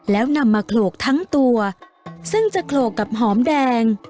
แล้วนำมาโขลกทั้งตัวซึ่งจะโขลกกับหอมแดง